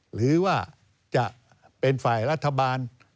หรือว่าจะเป็นฝ่ายรัฐบาล